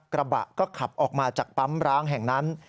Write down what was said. กระบะก็ขับออกมาจากปั๊มร้างแห่งนั้น